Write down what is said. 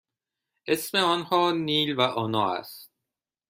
اسم آنها نیل و آنا است.